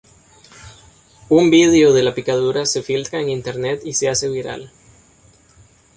Un vídeo de la picadura se filtra en Internet y se hace viral.